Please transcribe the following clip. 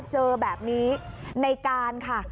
เจอแบบนี้ในการค่ะ